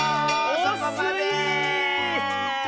そこまで！